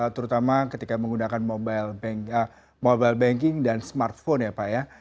terutama ketika menggunakan mobile banking dan smartphone ya pak ya